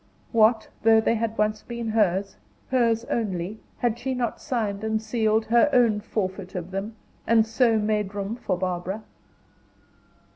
What, though they had once been hers, hers only, had she not signed and sealed her own forfeit of them, and so made room for Barbara?